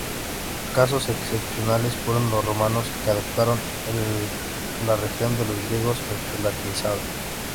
Casos excepcionales fueron los romanos que adoptaron la religión de los griegos, aunque latinizada.